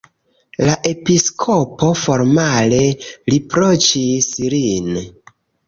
La episkopo formale riproĉis lin.